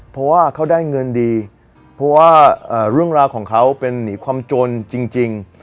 เพราะว่าเขาได้เงินดีเพราะว่าเรื่องราวของเขาเป็นหนีความจนจริง